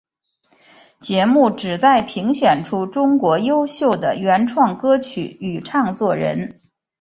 节目旨在评选出中国优秀的原创歌曲与唱作人。